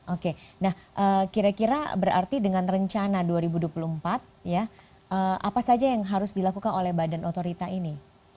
oke nah kira kira berarti dengan rencana dua ribu dua puluh empat apa saja yang harus dilakukan oleh badan otorita ini